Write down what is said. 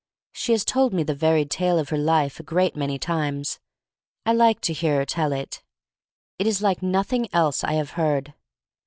She has told me the varied tale of her life a great many times. I like to hear her tell it. It is like nothing else I have heard.